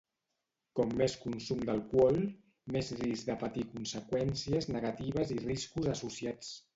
Com més consum d'alcohol, més risc de patir conseqüències negatives i riscos associats.